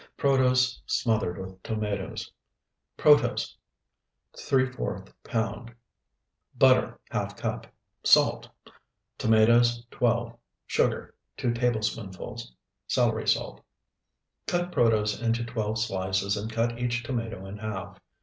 PROTOSE SMOTHERED WITH TOMATOES Protose, ¾ pound. Butter, ½ cup. Salt. Tomatoes, 12. Sugar, 2 tablespoonfuls. Celery salt. Cut protose into twelve slices and cut each tomato in half.